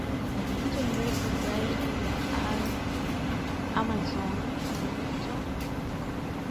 Mto mrefu zaidi wa Amazon ni Mto